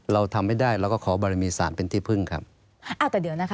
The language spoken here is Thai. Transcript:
เราทำให้ได้แล้วก็ขอบริมีสารเป็นที่พึ่งครับ